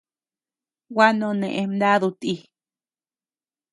Gua none mnadu ti.